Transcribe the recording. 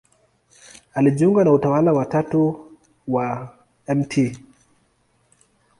Alijiunga na Utawa wa Tatu wa Mt.